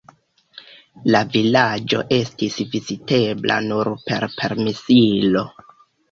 La vilaĝo estis vizitebla nur per permesilo.